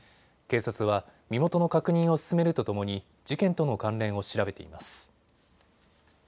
警察は身元の確認を進めるとともに事件との関連を調べています。